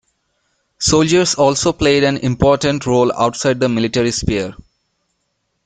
Soldiers also played an important role outside the military sphere.